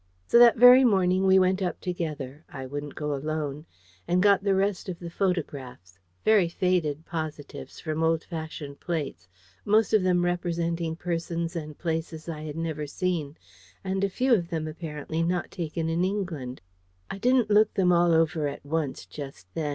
So that very morning we went up together (I wouldn't go alone), and got the rest of the photographs very faded positives from old fashioned plates, most of them representing persons and places I had never seen; and a few of them apparently not taken in England. I didn't look them all over at once just then.